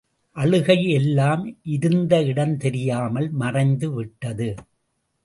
அழுகை எல்லாம் இருந்த இடம் தெரியாமல் மறைந்து விட்டது.